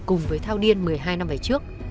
cùng với thao điên một mươi hai năm về trước